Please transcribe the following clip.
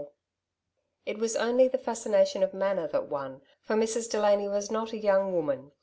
. It was only the fascination of manner that won, for Mrs. Delany was not a young woman.